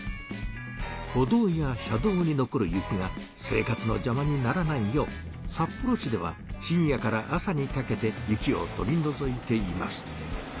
歩道や車道に残る雪が生活のじゃまにならないよう札幌市では深夜から朝にかけて雪を取りのぞいています。